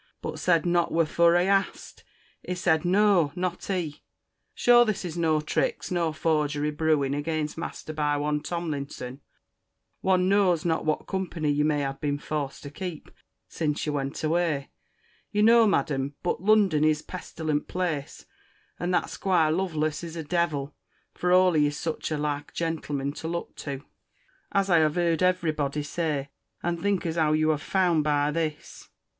but said not whirfor I axed. He sed, No, not he. Shure this is no trix nor forgery bruing against master by one Tomlinson—Won knows not what company you may have been forsed to keep, sen you went away, you knoe, Maddam; but Lundon is a pestilent plase; and that 'Squire Luvless is a devil (for all he is sitch a like gentleman to look to) as I hev herd every boddy say; and think as how you have found by thiss.